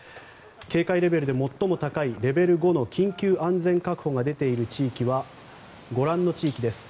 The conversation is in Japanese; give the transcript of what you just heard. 警戒レベルで最も高いレベル５の緊急安全確保が出ている地域はご覧の地域です。